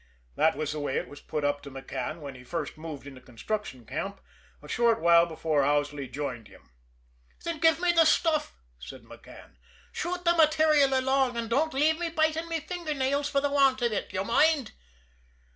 That was the way it was put up to McCann when he first moved into construction camp, a short while before Owsley joined him. "Then give me the stuff," said McCann. "Shoot the material along, an' don't lave me bitin' me finger nails for the want av ut d'ye moind?"